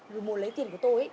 rồi muốn lấy tiền của tôi ý